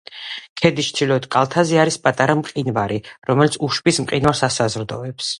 ქედის ჩრდილოეთ კალთაზე არის პატარა მყინვარი, რომელიც უშბის მყინვარს ასაზრდოებს.